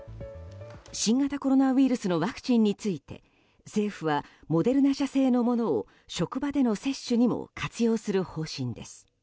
新型コロナウイルスのワクチンについて政府はモデルナ社製のものを職場での接種にも活用する方針です。